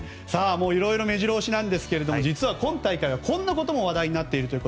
いろいろ目白押しなんですが実は、今大会はこんなことも話題になっています。